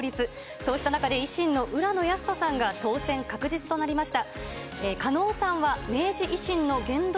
そうした中で維新の浦野靖人さんが当選確実となりました。